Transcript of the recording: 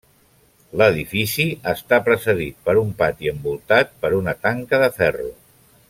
L'edifici està precedit per un pati envoltat per una tanca de ferro.